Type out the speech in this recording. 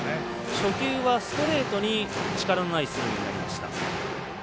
初球はストレートに力のないスイングになりました。